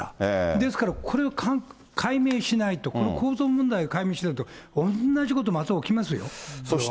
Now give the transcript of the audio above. ですからこれを解明しないと、この構造問題を解明しないと、おんなじことがまた起きますよ、これは。